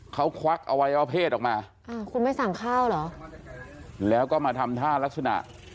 เขาควักอวัยวะเพศออกมาอ่าคุณไม่สั่งข้าวเหรอแล้วก็มาทำท่ารักษณะ